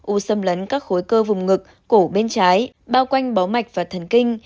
u xâm lấn các khối cơ vùng ngực cổ bên trái bao quanh bó mạch và thần kinh